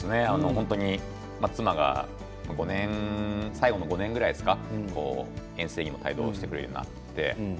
本当に、妻が最後の５年くらいですか遠征にも帯同してくれるようになって。